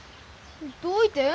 どういて？